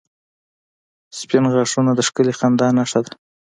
• سپین غاښونه د ښکلي خندا نښه ده.